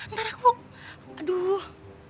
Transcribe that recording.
ntar aku aduh